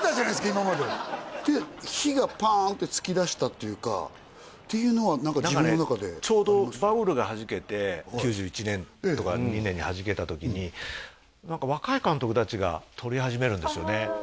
今までって火がパーンってつきだしたっていうかっていうのは自分の中で何かねちょうどバブルがはじけて９１年とか９２年にはじけた時に何か若い監督達が撮り始めるんですよね